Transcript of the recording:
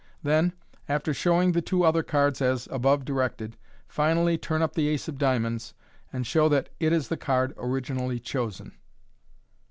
Then, after showing the two other cards as above directed, finally turn up the ace of diamonds, and show that it is the card originally chosen.